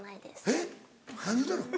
えっ何言うてんの？